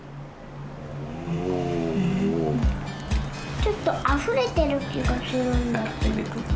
ちょっとあふれてる気がするんだけど。